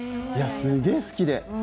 すげえ好きで。